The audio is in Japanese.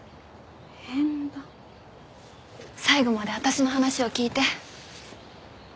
最後まで私の話を聞いて。